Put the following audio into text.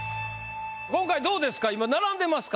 今回どうですか？